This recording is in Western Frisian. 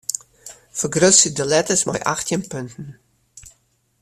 Fergrutsje de letters mei achttjin punten.